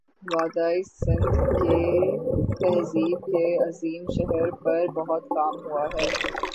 وادیٔ سندھ کی تہذیب کے عظیم شہر پر بہت کام ہوا ہے